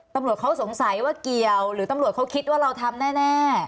ตำรวจเขาสงสัยว่าเกี่ยวหรือตำรวจเขาคิดว่าเราทำแน่